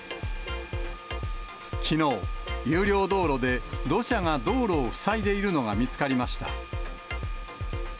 きのう、有料道路で土砂が道路を塞いでいるのが見つかりました。